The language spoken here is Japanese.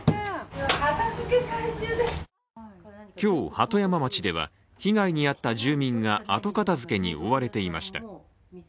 今日、鳩山町では被害に遭った住民が後片づけに追われていました。